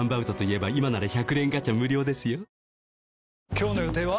今日の予定は？